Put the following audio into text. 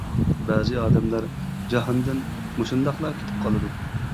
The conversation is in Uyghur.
بەزى ئادەملەر جاھاندىن مۇشۇنداقلا كېتىپ قالىدۇ.